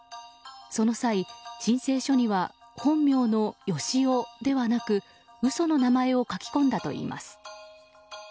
その際、申請書には本名の芳男ではなく嘘の名前を書き込んだといいます。